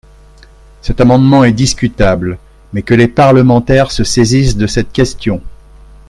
Cet amendement est discutable, mais que les parlementaires se saisissent de cette question